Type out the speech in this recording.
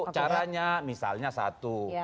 caranya misalnya satu